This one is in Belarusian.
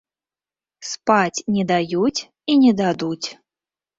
Спаць не даюць, і не дадуць.